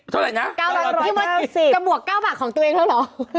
เทอดละนะถูกมาก๑๐บาทจะบวก๙บาทของตัวเองแล้วเหรอ